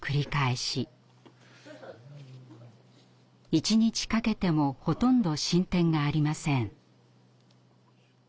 一日かけてもほとんど進展がありません。